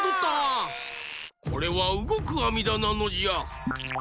これはうごくあみだなのじゃ。